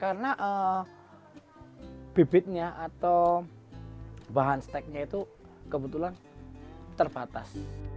karena bibitnya atau bahan steaknya itu kebetulan terbatas